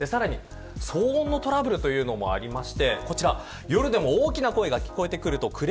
さらに騒音のトラブルというのもあります。